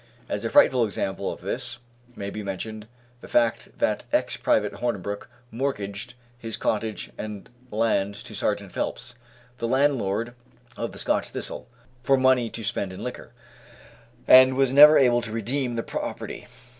As a frightful example of this may be mentioned the fact that ex Private Hornabrook mortgaged his cottage and land to Sergeant Phelps, the landlord of the Scotch Thistle, for money to spend in liquor, and was never able to redeem the property.